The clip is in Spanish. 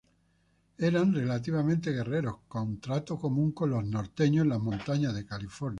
Eran relativamente guerreros con trato común con los norteños de las montañas de California.